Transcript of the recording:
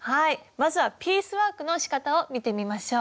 まずはピースワークのしかたを見てみましょう。